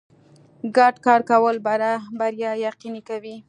ګډ کار کول بریا یقیني کوي.